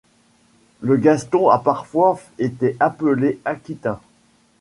Le gascon a parfois été appelé aquitain.